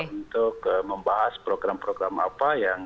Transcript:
untuk membahas program program apa yang